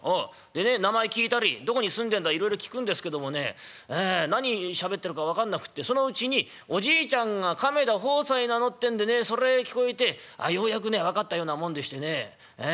でね名前聞いたりどこに住んでんだいろいろ聞くんですけどもねええ何しゃべってるか分かんなくってそのうちに『おじいちゃんが亀田鵬斎なの』ってんでねそれ聞こえてようやくね分かったようなもんでしてねええ」。